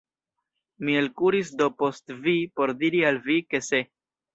Mi elkuris do post vi, por diri al vi, ke se.